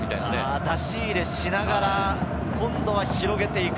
出し入れしながら、今度は広げていく。